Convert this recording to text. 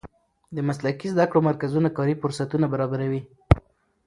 د مسلکي زده کړو مرکزونه کاري فرصتونه برابروي.